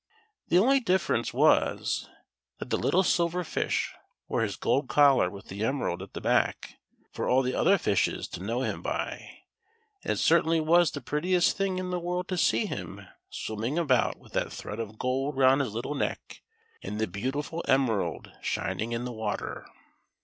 The only difference was, that the little Silver Fish wore his gold collar with the emerald at the back, for all the other fishes to know him by ; and it certainly was the prettiest thing in the world to see him swimming about with that thread of gold round his little neck, and the beautiful emerald shining in the water.